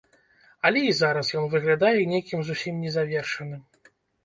Але і зараз ён выглядае нейкім зусім незавершаным.